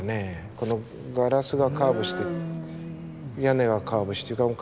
このガラスがカーブして屋根がカーブして床もカーブして。